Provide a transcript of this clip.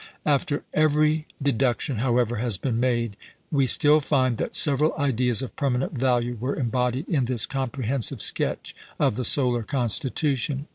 After every deduction, however, has been made, we still find that several ideas of permanent value were embodied in this comprehensive sketch of the solar constitution.